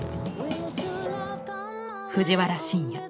藤原新也